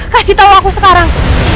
kasih tau aku sekarang